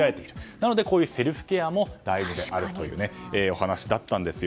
なので、こういうセルフケアも大事だというお話だったんですよ。